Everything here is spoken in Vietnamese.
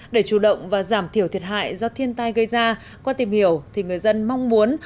để chủ động và giảm thiểu thiệt hại do thiên tai gây ra qua tìm hiểu thì người dân mong muốn